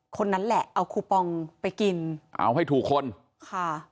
คนนั้นแหละเอาคูปองไปกินเอาให้ถูกคนค่ะ